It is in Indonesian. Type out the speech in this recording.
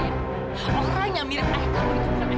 orang yang mirah ayah kamu itu bukan ibu